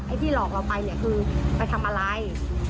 ที่หลอกเราไปเนี่ยคือไปทำอะไร